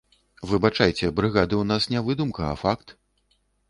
Выбачайце, брыгады ў нас не выдумка, а факт.